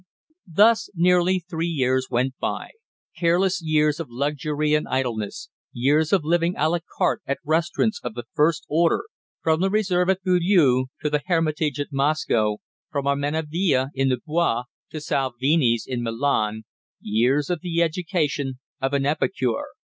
Thus nearly three years went by, careless years of luxury and idleness, years of living à la carte at restaurants of the first order, from the Reserve at Beaulieu to the Hermitage at Moscow, from Armenonville in the Bois to Salvini's in Milan years of the education of an epicure.